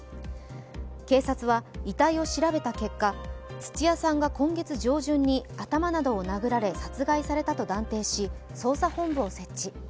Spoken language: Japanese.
警察は遺体を調べた結果土屋さんが今月上旬に頭などを殴られ、殺害されたと断定し、捜査本部を設置。